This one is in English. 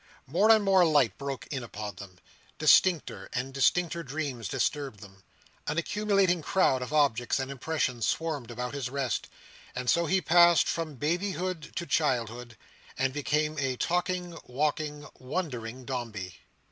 More and more light broke in upon them; distincter and distincter dreams disturbed them; an accumulating crowd of objects and impressions swarmed about his rest; and so he passed from babyhood to childhood, and became a talking, walking, wondering Dombey.